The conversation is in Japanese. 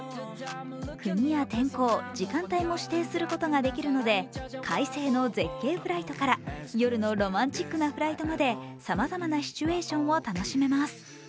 国や天候、時間帯も指定することができるので快晴の絶景フライトから夜のロマンチックなフライトまでさまざまなシチュエーションを楽しめます。